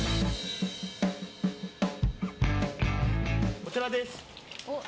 こちらです！